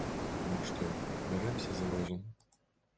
Дык што, бярэмся за розум?